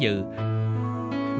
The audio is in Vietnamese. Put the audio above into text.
được mời đến dự